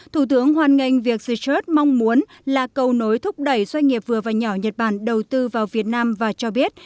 thủ tướng hoan nghênh việc the trudet mong muốn là cầu nối thúc đẩy doanh nghiệp vừa và nhỏ nhật bản đầu tư vào việt nam và cho biết